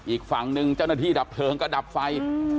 อีกฝั่งหนึ่งเจ้าหน้าที่ดับเพลิงก็ดับไฟ